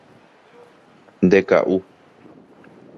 Ndeka'u.